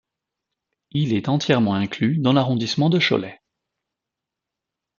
Il est entièrement inclus dans l'arrondissement de Cholet.